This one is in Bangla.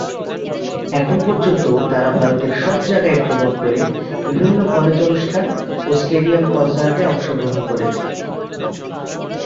এখন পর্যন্ত তারা ভারতের সব জায়গায় ভ্রমণ করে বিভিন্ন কলেজ অনুষ্ঠান ও স্টেডিয়াম কনসার্টে অংশগ্রহণ করেছে।